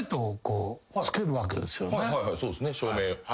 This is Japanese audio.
そうですね照明。